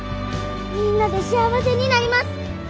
みんなで幸せになります！